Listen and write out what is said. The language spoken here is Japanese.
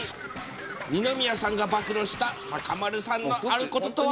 二宮さんが暴露した、中丸さんのあることとは。